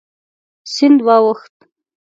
سیند واوښت.